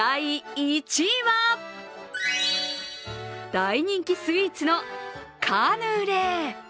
大人気スイーツのカヌレ。